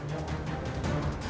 saya sesuai dengan kau